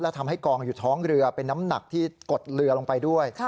ทำให้กองอยู่ท้องเรือเป็นน้ำหนักที่กดเรือลงไปด้วย